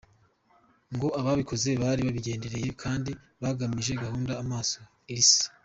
Ngo ababikoze bari babigendereye, kandi bagamije guhuma amaso Isi.